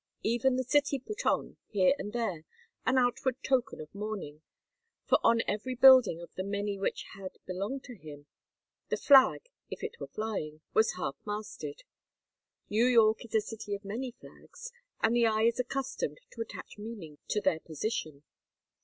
Even the city put on, here and there, an outward token of mourning, for on every building of the many which had belonged to him, the flag, if it were flying, was half masted. New York is a city of many flags, and the eye is accustomed to attach meaning to their position.